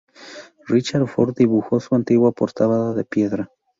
Richard Ford dibujó su antigua portada de piedra.